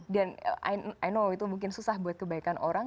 dan i know itu mungkin susah buat kebaikan orang